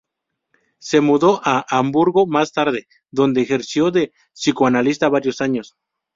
Se mudó a Hamburgo más tarde, donde ejerció de psicoanalista varios años.